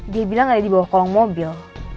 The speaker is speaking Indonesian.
dia bilang ada di bawah kolong mobil